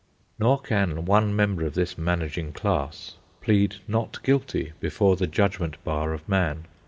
Nor can one member of this managing class plead not guilty before the judgment bar of Man.